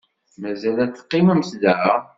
Mazal ad teqqimemt da?